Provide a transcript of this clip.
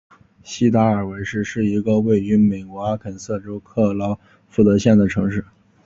锡达尔维尔是一个位于美国阿肯色州克劳福德县的城市。